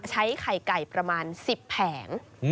ใช้ไข่ไก่ประมาณ๑๐แผง